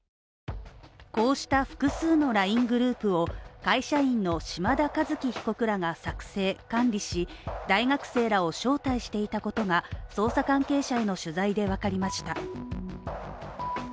こうした複数のＬＩＮＥグループを会社員の島田和樹被告らが作成管理し、大学生らを招待していたことが捜査関係者への取材でわかりました。